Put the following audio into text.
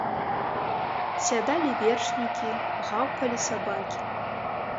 Сядалі вершнікі, гаўкалі сабакі.